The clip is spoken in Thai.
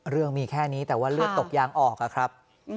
เรื่องมีแค่นี้แต่ว่าเลือดตกยางออกอะครับ